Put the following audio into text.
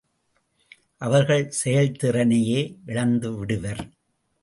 அவர்கள் செயல்திறனையே இழந்துவிடுவர்.